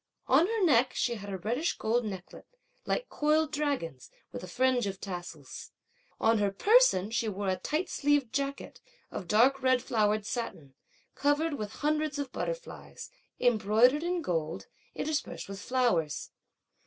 On her neck, she had a reddish gold necklet, like coiled dragons, with a fringe of tassels. On her person, she wore a tight sleeved jacket, of dark red flowered satin, covered with hundreds of butterflies, embroidered in gold, interspersed with flowers.